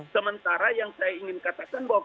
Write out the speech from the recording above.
sementara yang saya ingin katakan bahwa